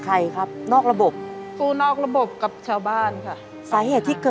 นี่มันก็สะสมมาเรื่อยอย่างนี้ใช่ไหมแม่